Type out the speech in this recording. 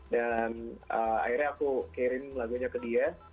dan akhirnya aku kirim lagunya ke dia